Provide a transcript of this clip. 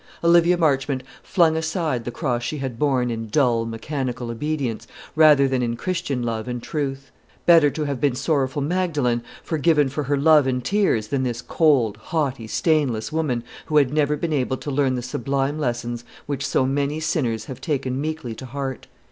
Olivia Marchmont flung aside the cross she had borne in dull, mechanical obedience, rather than in Christian love and truth. Better to have been sorrowful Magdalene, forgiven for her love and tears, than this cold, haughty, stainless woman, who had never been able to learn the sublime lessons which so many sinners have taken meekly to heart.